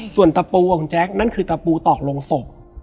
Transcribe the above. ส่วนตะปูของคุณแจ๊คนั่นคือตะปูตอกลงศพ